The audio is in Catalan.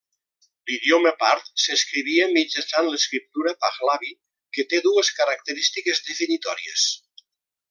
L'idioma part s'escrivia mitjançant l'escriptura pahlavi, que té dues característiques definitòries.